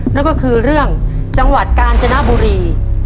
นั่นก็คือเรื่องจังหวัดกาญจนบุรี